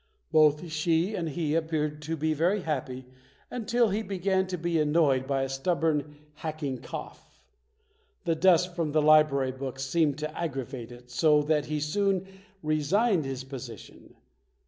Both she and he appeared to be very happy until he began to be annoyed by a stubborn, hacking cough. The dust from the library books seemed to aggravate it so that he soon resigned his posi tion.